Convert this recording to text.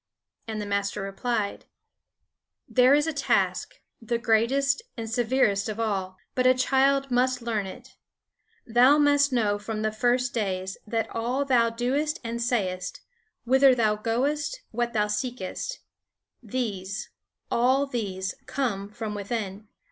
And the master replied: "There is a task, the greatest and severest of all. But a child must learn it. Thou must know from the first days, that all thou doest and sayest, whither thou goest, what thou seekest; these, all these, come from within.